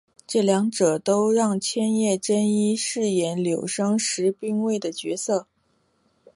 这两者都让千叶真一饰演柳生十兵卫的角色。